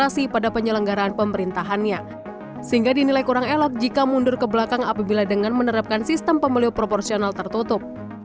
sehingga dinilai kurang elok jika mundur ke belakang apabila dengan menerapkan sistem pemilu proporsional tertutup